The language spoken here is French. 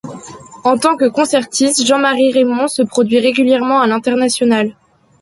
En tant que concertiste, Jean Marie Raymond se produit régulièrement à l'international.